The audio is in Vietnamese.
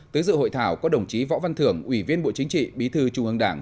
tới dự hội thảo có đồng chí võ văn thưởng ủy viên bộ chính trị bí thư trung ương đảng